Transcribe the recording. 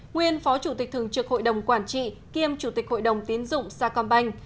nguyên phó chủ tịch thường trực hội đồng quản trị kiêm chủ tịch hội đồng tiến dụng sa công banh